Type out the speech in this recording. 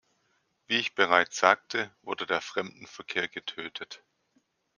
Wie ich bereits sagte, wurde der Fremdenverkehr getötet.